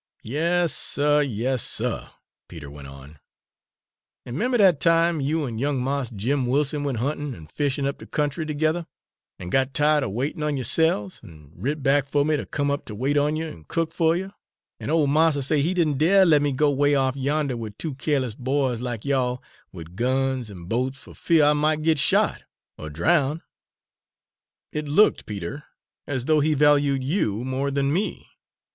"Yas, suh, yas, suh," Peter went on, "an' 'member dat time you an' young Mars Jim Wilson went huntin' and fishin' up de country tergether, an' got ti'ed er waitin' on yo'se'ves an' writ back fer me ter come up ter wait on yer and cook fer yer, an' ole Marster say he did n' dare ter let me go 'way off yander wid two keerliss boys lak you all, wid guns an' boats fer fear I mought git shot, er drownded?" "It looked, Peter, as though he valued you more than me!